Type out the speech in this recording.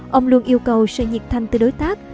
tuy nhiên ông luôn yêu cầu sự nhiệt thanh từ đối tác